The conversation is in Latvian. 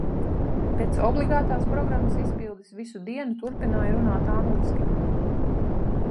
Pēc obligātās programmas izpildes, visu dienu turpināja runāt angliski.